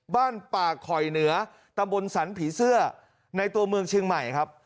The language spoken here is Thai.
บ้านป่าคอยเหนือตำบลสันผีเสื้อในตัวเมืองเชียงใหม่ครับ